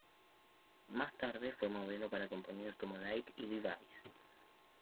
Más tarde fue modelo para compañías como Nike y Levi's.